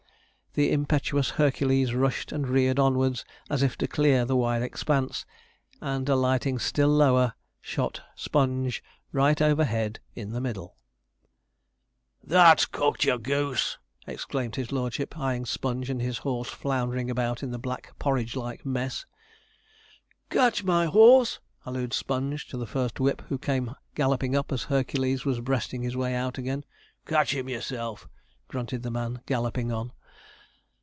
The impetuous Hercules rushed and reared onwards as if to clear the wide expanse; and alighting still lower, shot Sponge right overhead in the middle. 'That's cooked your goose!' exclaimed his lordship, eyeing Sponge and his horse floundering about in the black porridge like mess. 'Catch my horse!' hallooed Sponge to the first whip, who came galloping up as Hercules was breasting his way out again. 'Catch him yourself,' grunted the man, galloping on.